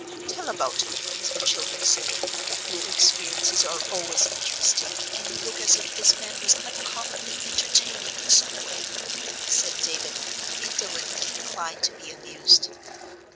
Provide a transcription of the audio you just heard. "Tell about him, as the children say: your experiences are always interesting, and you look as if this man was uncommonly entertaining in some way," said David, indolently inclined to be amused.